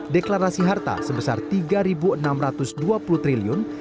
deklarasi harta sebesar rp tiga enam ratus dua puluh triliun